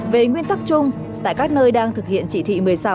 về nguyên tắc chung tại các nơi đang thực hiện chỉ thị một mươi sáu